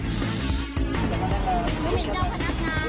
ไม่อยากพี่เอาคนอื่นด้วย